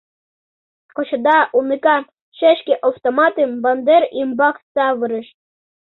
Кочада, уныкам, шешке... автоматым бандер ӱмбак савырыш.